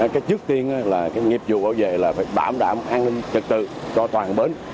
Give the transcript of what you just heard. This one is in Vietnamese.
trước tiên nghiệp vụ bảo vệ là phải bảo đảm an ninh trật tự cho toàn bến